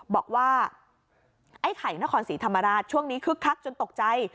บอกว่าไอ้ไข่นครศรีธรรมราชช่วงนี้คึกคักจนตกใจ